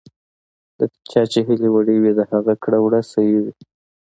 د چا چې هیلې وړې وي، د هغه کړه ـ وړه صحیح وي .